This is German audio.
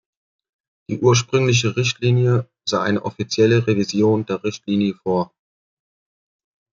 Die ursprüngliche Richtlinie sah eine offizielle Revision der Richtlinie vor.